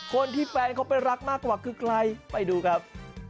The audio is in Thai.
คนที่แฟนเขาเป็นรักมากกว่าคือใครไปดูครับ